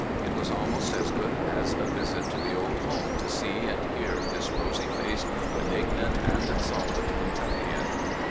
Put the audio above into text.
It was almost as good as a visit to the old home to see and hear this rosy faced, benignant, and solid Kentuckian.